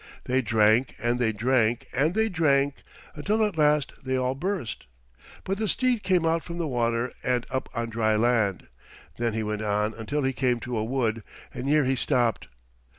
They drank and they drank and they drank, until at last they all burst. But the steed came out from the water and up on dry land. Then he went on until he came to a wood, and here he stopped.